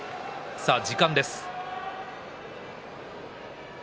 時間です。